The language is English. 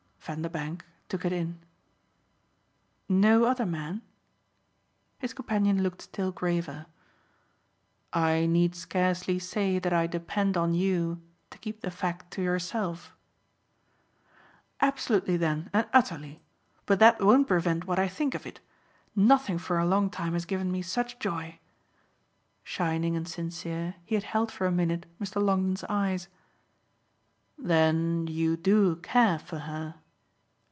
Vanderbank took it in. "No other man?" His companion looked still graver. "I need scarcely say that I depend on you to keep the fact to yourself." "Absolutely then and utterly. But that won't prevent what I think of it. Nothing for a long time has given me such joy." Shining and sincere, he had held for a minute Mr. Longdon's eyes. "Then you do care for her?"